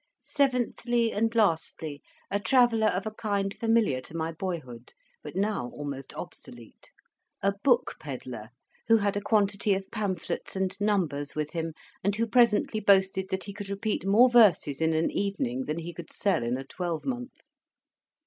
Seventhly and lastly, a Traveller of a kind familiar to my boyhood, but now almost obsolete, a Book Pedler, who had a quantity of Pamphlets and Numbers with him, and who presently boasted that he could repeat more verses in an evening than he could sell in a twelvemonth.